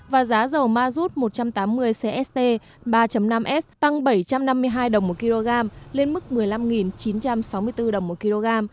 và giá dầu mazut một trăm tám mươi cst ba năm s tăng bảy trăm năm mươi hai đồng một kg lên mức một mươi năm chín trăm sáu mươi bốn đồng một kg